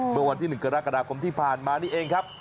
เมื่อวันที่๑กรกฎาคมที่ผ่านมานี่เองครับ